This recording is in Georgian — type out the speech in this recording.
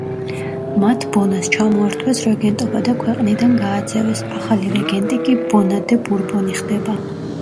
მათ ბონას ჩამოართვეს რეგენტობა და ქვეყნიდან გააძევეს, ახალი რეგენტი კი ბონა დე ბურბონი ხდება.